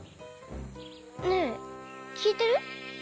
ねえきいてる？